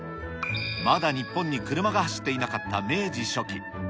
まだ日本に車が走っていなかった明治初期。